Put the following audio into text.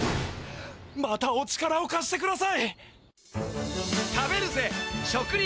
またお力をかしてください！